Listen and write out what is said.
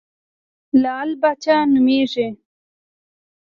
لعل پاچا نومېږم.